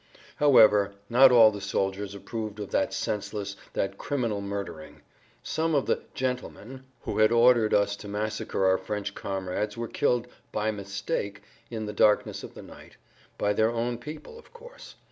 However, not all the soldiers approved of that senseless, that criminal murdering. Some of the "gentlemen" who had ordered us to massacre our French comrades were killed "by mistake" in the darkness of the night, by their own people, of course.